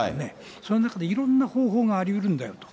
その中でいろんな方法がありえるんだよと。